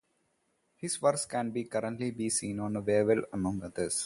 His works can currently be seen on the Wawel among others.